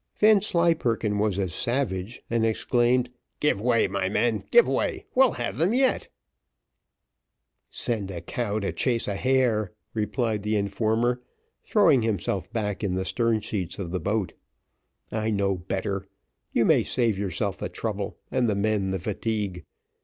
Vanslyperken was as savage, and exclaimed, "Give way, my men, give way; we'll have them yet." "Send a cow to chase a hare," replied the informer, throwing himself back in the stern sheets of the boat. "I know better; you may save yourself the trouble, and the men the fatigue.